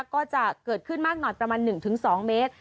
ก็จะเกิดขึ้นมากนอนประมาณหนึ่งถึงสองเมตร